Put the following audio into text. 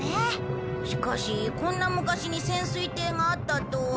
しかしこんな昔に潜水艇があったとは。